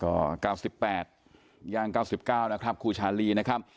ก็๙๘ย่าง๙๙นะครับครูชาลีนะครับ